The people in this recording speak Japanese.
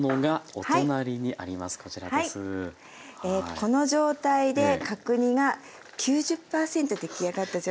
この状態で角煮が９０％出来上がった状態です。